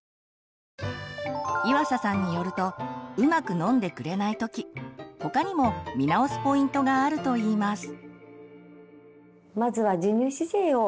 岩佐さんによるとうまく飲んでくれない時他にも見直すポイントがあると言います。